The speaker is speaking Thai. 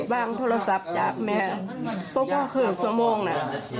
บ้างโทรศัพท์จากแม่เพราะว่าเครื่องสมงค์น่ะ